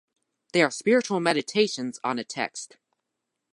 They are spiritual meditations on a text.